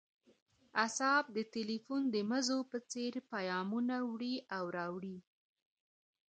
اعصاب د ټیلیفون د مزو په څیر پیامونه وړي او راوړي